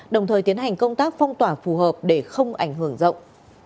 đồng thời tiến hành công tác phong tỏa phù hợp để không ảnh hưởng rộng